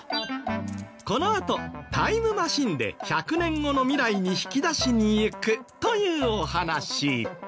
このあとタイムマシンで１００年後の未来に引き出しに行くというお話。